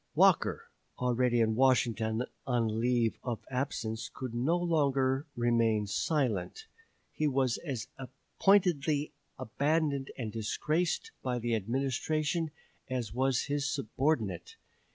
Walker, already in Washington on leave of absence, could no longer remain silent. He was as pointedly abandoned and disgraced by the Administration as was his subordinate.